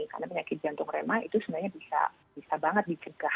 karena penyakit jantung reuma itu sebenarnya bisa bisa banget dicegah